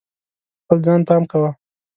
په خپل ځان پام کوه.